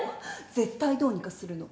絶対どうにかするの。